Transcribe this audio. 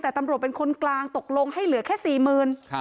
แต่ตำรวจเป็นคนกลางตกลงให้เหลือแค่สี่หมื่น